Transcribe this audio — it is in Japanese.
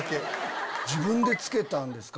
自分で付けたんですか？